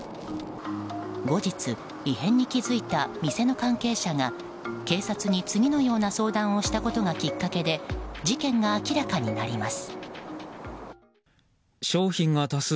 後日、異変に気付いた店の関係者が警察に次のような相談をしたことがきっかけで事件が明らかになります。